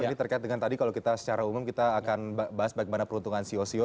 ini terkait dengan tadi kalau kita secara umum kita akan bahas bagaimana peruntungan ceo ceo